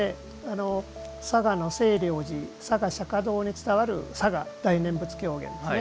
嵯峨の清涼寺嵯峨釈迦堂に伝わる嵯峨大念仏狂言ですね。